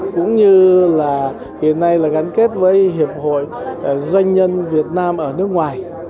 cũng như là hiện nay là gắn kết với hiệp hội doanh nhân việt nam ở nước ngoài